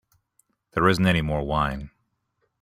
There isn't any more wine.